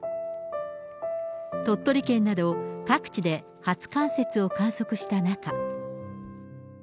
鳥取県など各地で初冠雪を観測した中。